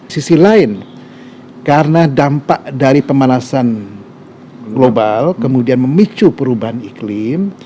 sisi lain karena dampak dari pemanasan global kemudian memicu perubahan iklim